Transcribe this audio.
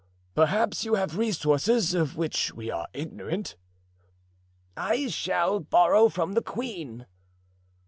"Perhaps you have resources of which we are ignorant?" "I shall borrow from the queen."